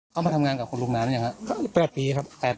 เข้ามาทำงานกับคนลุงนานเนี่ยครับ